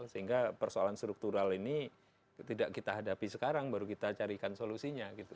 sehingga persoalan struktural ini tidak kita hadapi sekarang baru kita carikan solusinya gitu